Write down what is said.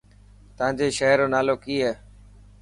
تانجي شهر رو نالو ڪي هي.